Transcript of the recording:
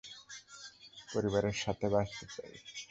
পরিবারে সাথে বাঁচতে চাই।